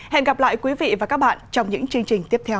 hẹn gặp lại quý vị và các bạn trong những chương trình tiếp theo